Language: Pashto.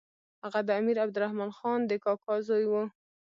هغه د امیر عبدالرحمن خان د کاکا زوی وو.